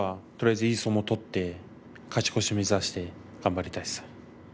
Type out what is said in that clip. いい相撲を取って勝ち越し目指して頑張りたいです。